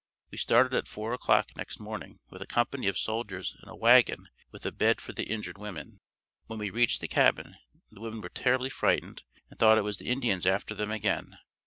We started at four o'clock next morning, with a company of soldiers and a wagon with a bed for the injured women. When we reached the cabin the women were terribly frightened and thought it was the Indians after them again.